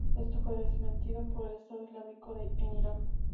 Esto fue desmentido por el Estado Islámico en Irak.